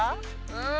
うん。